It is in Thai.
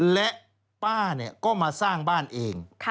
และป้าก็มาสร้างบ้านเอง